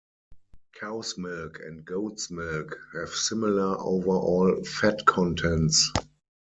Cow's milk and goat's milk have similar overall fat contents.